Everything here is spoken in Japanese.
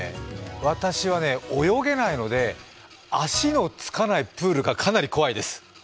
私はね、泳げないので足のつかないプールがかなり怖いです。